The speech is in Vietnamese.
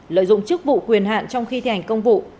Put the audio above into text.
lợi dụng chức vụ quyền hạn trong khi thi hành công vụ